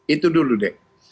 itu dulu deh